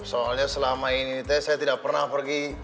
soalnya selama ini teh saya tidak pernah pergi